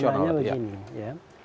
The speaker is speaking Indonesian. sederhananya begini ya